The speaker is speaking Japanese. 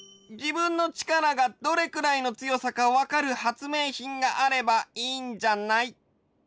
じぶんの力がどれくらいの強さかわかるはつめいひんがあればいいんじゃない？